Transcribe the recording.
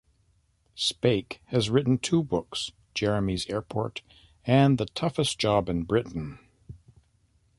Spake has written two books: "Jeremy's Airport" and "The Toughest Job in Britain".